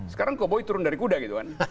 sekarang jokowi turun dari kuda gitu kan